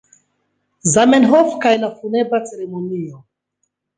Zamenhof kaj la Funebra Ceremonio.